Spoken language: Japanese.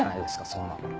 そんなの。